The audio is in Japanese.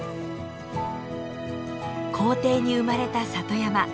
校庭に生まれた里山。